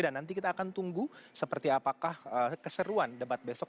dan nanti kita akan tunggu seperti apakah keseruan debat besok